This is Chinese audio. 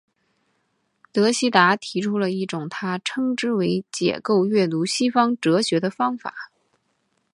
德希达提出了一种他称之为解构阅读西方哲学的方法。